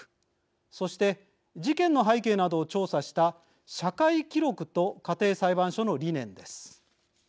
そして、事件の背景などを調査した社会記録と家庭裁判所の理念です。